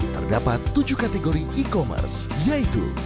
terdapat tujuh kategori e commerce yaitu